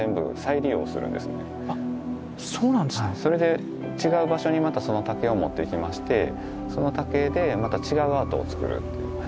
それで違う場所にまたその竹を持っていきましてその竹でまた違うアートを作るという。